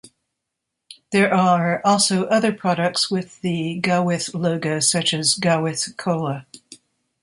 There are also other products with the Gawith logo such as Gawith Cola.